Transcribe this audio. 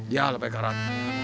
ya lepai karat